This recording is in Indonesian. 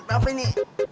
aduh apa ini